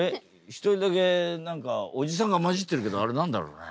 一人だけ何かおじさんが交じってるけどあれ何だろうね？